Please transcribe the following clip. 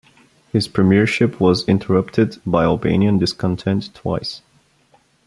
His premiership was interrupted by Albanian discontent twice.